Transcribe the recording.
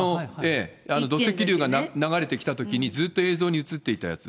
土石流が流れてきたときに、ずっと映像に映っていたやつ。